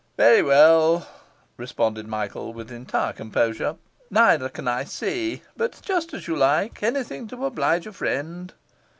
'Very well,' responded Michael with entire composure, 'neither can I see. But just as you like. Anything to oblige a friend.